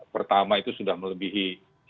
pertama itu sudah melebihi